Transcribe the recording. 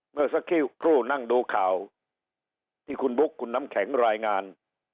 เมื่อสักครู่ครูนั่งดูข่าวที่คุณบุ๊คคุณน้ำแข็งรายงาน